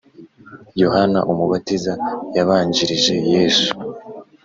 Yohana umubatiza yabanjirije yesu